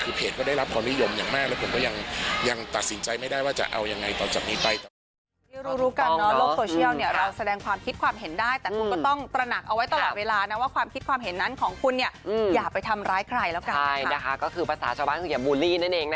คือเพจก็ได้รับความนิยมอย่างมากแล้วผมก็ยังตัดสินใจไม่ได้ว่าจะเอายังไงต่อจากนี้ไปต่อ